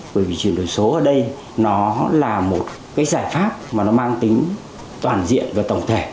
bởi vì chuyển đổi số ở đây nó là một cái giải pháp mà nó mang tính toàn diện và tổng thể